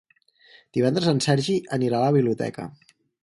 Divendres en Sergi anirà a la biblioteca.